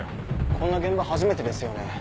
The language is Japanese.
こんな現場初めてですよね。